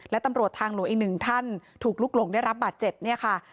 และตำรวจทางหลวงอีกหนึ่งท่านถูกลุกหลงได้รับบาดเจ็บเนี่ยค่ะ